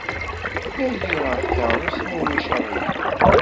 Ali ɣer tkeṛṛust, ma ulac aɣilif.